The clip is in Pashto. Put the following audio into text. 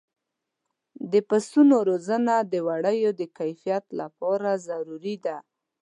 د پسونو روزنه د وړیو د کیفیت لپاره ضروري ده.